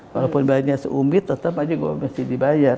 walaupun bayarnya seumbit tetep aja gue mesti dibayar